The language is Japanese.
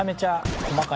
細かい？